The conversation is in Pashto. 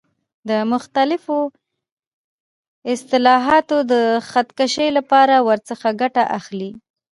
د مختلفو اتصالاتو د خط کشۍ لپاره ورڅخه ګټه اخلي.